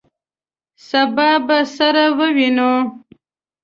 سبا به سره ووینو!